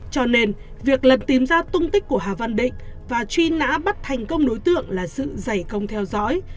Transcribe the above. cho nên việc lần tìm ra tung tích của hà văn định và truy nã bắt thành công đối tượng là sự giải công theo dõi